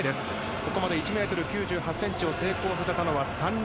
ここまで１ｍ９８ｃｍを成功させたのは３人。